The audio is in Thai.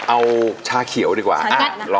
เอาชาเขียวดีกว่าลองชาเขียว